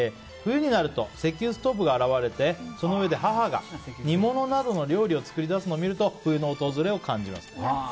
冬になると石油ストーブが現れてその上で母が煮物などの料理を作り出すのを見ると冬の訪れを感じます。